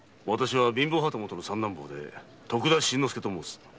貧乏旗本の三男坊で徳田新之助と申します。